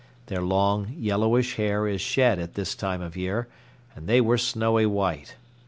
Their long, yellowish hair is shed at this time of year and they were snowy white.